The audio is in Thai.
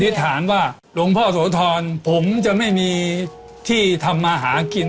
ฐานว่าหลวงพ่อโสธรผมจะไม่มีที่ทำมาหากิน